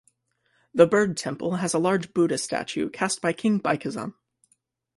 The bird temple has a large Buddha statue cast by King Baikezan.